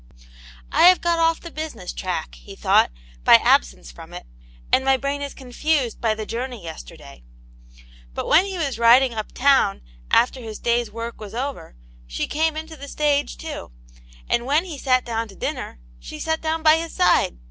" I have got off the business track," he thought, " by absence from it ; and my brain is confused by the journey yesterday." But when he was riding up town after his day's work was over, she came into the stage, too, and when he sat do^tiXo ^vccc^^^^^^ $6 Aunt Jane's Hero. sat down by his side.